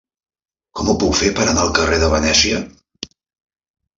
Com ho puc fer per anar al carrer de Venècia?